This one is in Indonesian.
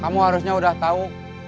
kamu harusnya udah tahu